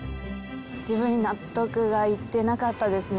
自分に納得がいってなかったですね。